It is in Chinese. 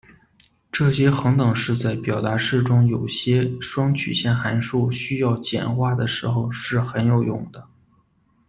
这些恒等式在表达式中有些双曲函数需要简化的时候是很有用的。